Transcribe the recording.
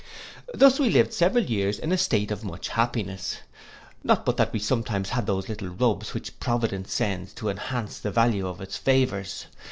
Thus we lived several years in a state of much happiness, not but that we sometimes had those little rubs which Providence sends to enhance the value of its favours.